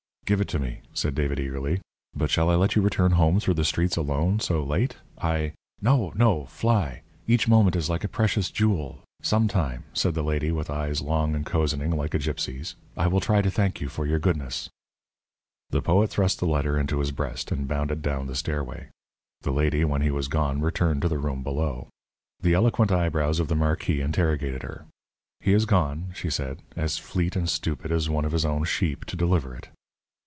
"Give it me," said David, eagerly. "But shall I let you return home through the streets alone so late? I " "No, no fly. Each moment is like a precious jewel. Some time," said the lady, with eyes long and cozening, like a gypsy's, "I will try to thank you for your goodness." The poet thrust the letter into his breast, and bounded down the stairway. The lady, when he was gone, returned to the room below. The eloquent eyebrows of the marquis interrogated her. "He is gone," she said, "as fleet and stupid as one of his own sheep, to deliver it."